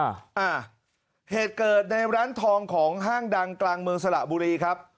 อ่าเหตุเกิดในร้านทองของห้างดังกลางเมืองสระบุรีครับ